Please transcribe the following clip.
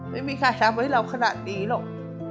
ไม่มีค่าช้าเพื่อให้เราขนาดนี้หรอก